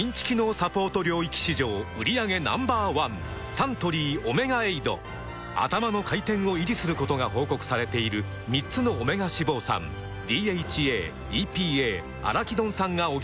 サントリー「オメガエイド」「アタマの回転」を維持することが報告されている３つのオメガ脂肪酸ＤＨＡ・ＥＰＡ・アラキドン酸が補えるサプリメントです